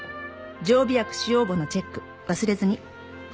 「常備薬使用簿のチェック忘れずに！」